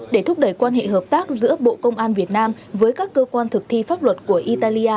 để thúc đẩy quan hệ hợp tác giữa bộ công an việt nam với các cơ quan thực thi pháp luật của italia